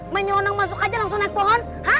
mainnya orang masuk aja langsung naik pohon